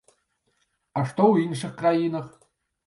А што ў іншых краінах?